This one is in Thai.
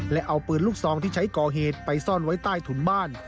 และเอาปืนลูกซองที่ใช้ก่อเหตุไปซ่อนไว้ใต้ถุนบ้าน